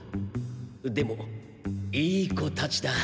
でもいい子たちだ。